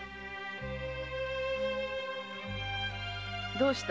どうした。